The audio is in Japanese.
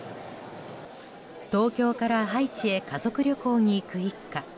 東京から愛知へ家族旅行に行く一家。